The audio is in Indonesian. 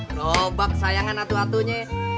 gerobak sayangan atu atunya